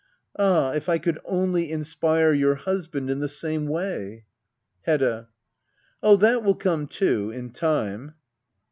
Ah, if I could only inspire your husband in the same way ! Heooa, Oh, that will come too — in time.